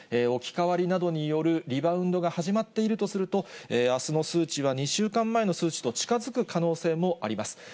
置き換わりなどによるリバウンドが始まっているとすると、あすの数値は２週間前の数値と近づく可能性もあります。